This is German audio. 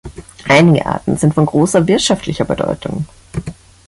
Einige Arten sind von großer wirtschaftlicher Bedeutung.